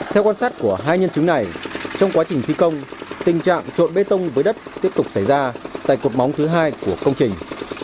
theo quan sát của hai nhân chứng này trong quá trình thi công tình trạng trộn bê tông với đất tiếp tục xảy ra tại cột móng thứ hai của công trình